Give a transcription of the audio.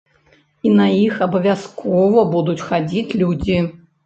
І на іх абавязкова будуць хадзіць людзі.